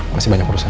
masih banyak urusan